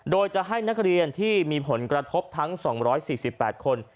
โดยจะให้นักเรียนที่มีผลกระทบทั้ง๒๔๘คน